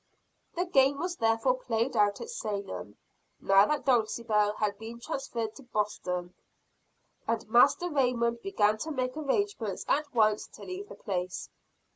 The game was therefore played out at Salem, now that Dulcibel had been transferred to Boston; and Master Raymond began to make arrangements at once to leave the place.